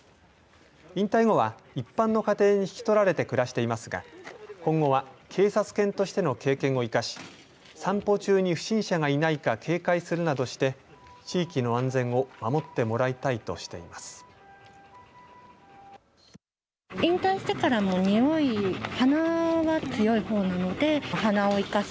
引退後は一般の家庭に引き取られて暮らしていますが今後は警察犬としての経験を生かし散歩中に不審者がいないか警戒するなどして地域の安全を守ってもらいたいとしています。